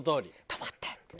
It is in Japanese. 「止まって」。